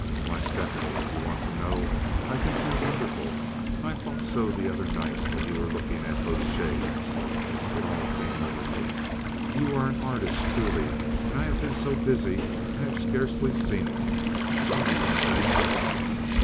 "Why, Stephanie, if you want to know, I think you're wonderful. I thought so the other night when you were looking at those jades. It all came over me. You are an artist, truly, and I have been so busy I have scarcely seen it. Tell me one thing."